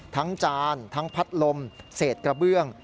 จานทั้งพัดลมเศษกระเบื้อง